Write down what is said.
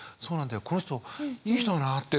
この人いい人だなって思ったり。